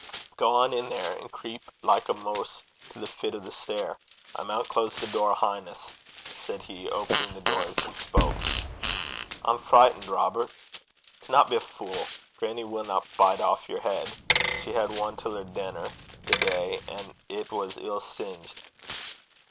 'Gang in there, and creep like a moose to the fit o' the stair. I maun close the door ahin' 's,' said he, opening the door as he spoke. 'I'm fleyt (frightened), Robert.' 'Dinna be a fule. Grannie winna bite aff yer heid. She had ane till her denner, the day, an' it was ill sung (singed).'